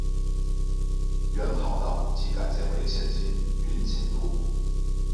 原跑道即改建为现今云锦路。